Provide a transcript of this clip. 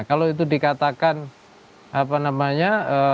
kalau itu dikatakan apa namanya